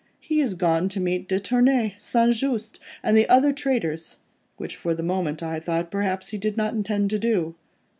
He has gone to meet de Tournay, St. Just and the other traitors, which for the moment, I thought, perhaps, he did not intend to do.